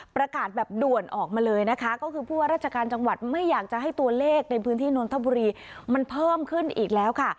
ประกาศแบบด่วนออกมาเลยนะคะก็คือผู้ว่าราชการจังหวัดไม่อยากจะให้ตัวเลขในพื้นที่นนทบุรีมันเพิ่มขึ้นอีกแล้วค่ะ